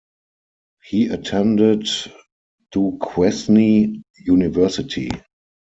He attended Duquesne University.